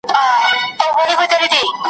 ته به سوځې په پانوس کي شمعي مه ساته لمبې دي ,